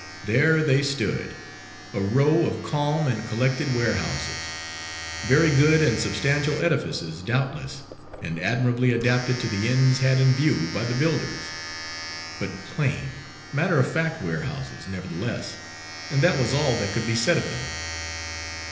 There they stood; a row of calm and collected ware houses; very good and substantial edifices, doubtless, and admirably adapted to the ends had in view by the builders; but plain, matter of fact ware houses, nevertheless, and that was all that could be said of them.